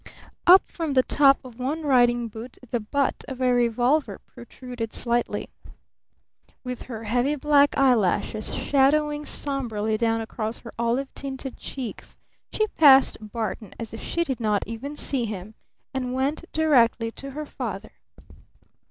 Up from the top of one riding boot the butt of a revolver protruded slightly. With her heavy black eyelashes shadowing somberly down across her olive tinted cheeks, she passed Barton as if she did not even see him and went directly to her father.